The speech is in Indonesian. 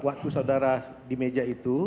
waktu saudara di meja itu